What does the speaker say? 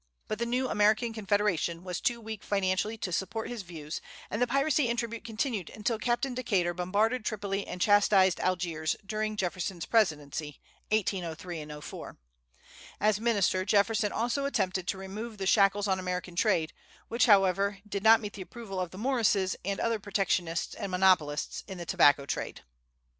But the new American Confederation was too weak financially to support his views, and the piracy and tribute continued until Captain Decatur bombarded Tripoli and chastised Algiers, during Jefferson's presidency, 1803 4. As minister, Jefferson also attempted to remove the shackles on American trade; which, however, did not meet the approval of the Morrises and other protectionists and monopolists in the tobacco trade.